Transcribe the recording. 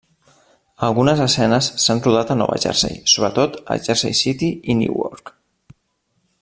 Algunes escenes s'han rodat a Nova Jersey, sobretot a Jersey City i Newark.